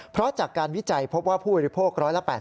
เพราะจากการวิจัยพบว่าผู้บริโภค๑๘๐